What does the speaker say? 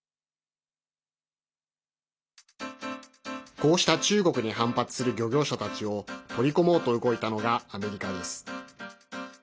こうした中国に反発する漁業者たちを取り込もうと動いたのがアメリカです。